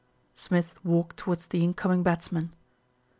Smith walked towards the incoming batsman.